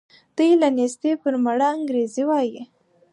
دوی له نېستي پر مړه انګرېږي وايي.